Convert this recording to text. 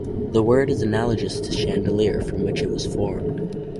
The word is analogous to chandelier, from which it was formed.